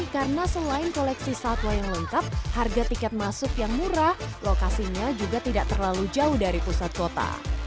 karena selain koleksi satwa yang lengkap harga tiket masuk yang murah lokasinya juga tidak terlalu jauh dari pusat kota